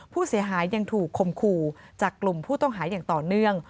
ผู้เสียหายยังถูกคมคู่จากกลุ่มผู้ต้องหาอย่างต่อเนื่อง